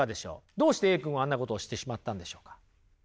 どうしてＡ君はあんなことをしてしまったんでしょうか？